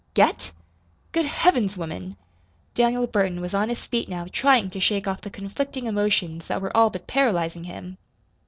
"Get? Good Heavens woman!" Daniel Burton was on his feet now trying to shake off the conflicting emotions that were all but paralyzing him.